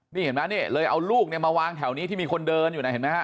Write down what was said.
นี่เห็นไหมนี่เลยเอาลูกเนี่ยมาวางแถวนี้ที่มีคนเดินอยู่นะเห็นไหมฮ